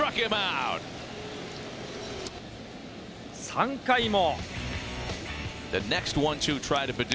３回も。